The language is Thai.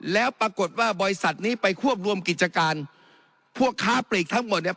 แล้วปรากฏว่าบริษัทนี้ไปควบรวมกิจการพวกค้าปลีกทั้งหมดเนี่ย